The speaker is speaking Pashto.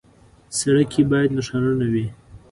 سړک کې باید نښانونه وي.